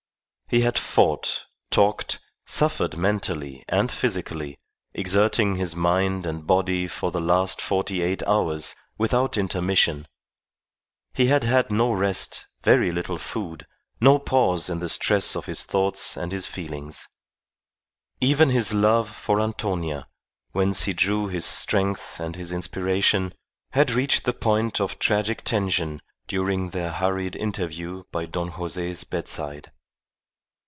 He had fought, talked, suffered mentally and physically, exerting his mind and body for the last forty eight hours without intermission. He had had no rest, very little food, no pause in the stress of his thoughts and his feelings. Even his love for Antonia, whence he drew his strength and his inspiration, had reached the point of tragic tension during their hurried interview by Don Jose's bedside.